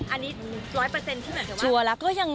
อันนี้๑๐๐ที่หมายถึงว่า